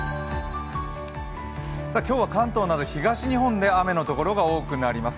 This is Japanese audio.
今日は関東など東日本で雨のところが多くなります。